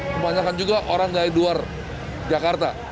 kebanyakan juga orang dari luar jakarta